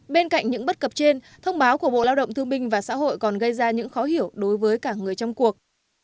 bên cạnh những bất cập trên thông báo của bộ lao động thương minh và xã hội còn gây ra những khó hiểu đối với cả người trong cuộc